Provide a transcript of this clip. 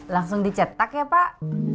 langsung dicetak ya pak